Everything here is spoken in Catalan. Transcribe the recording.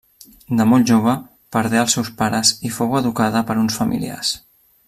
De molt jove, perdé als seus pares i fou educada per uns familiars.